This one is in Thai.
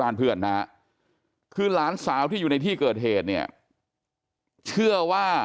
เพื่อนนะฮะคือหลานสาวที่อยู่ในที่เกิดเหตุเนี่ยเชื่อว่า